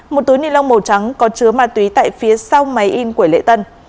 một túi nilon màu trắng có chứa ma túy tại phía sau máy in của lễ tân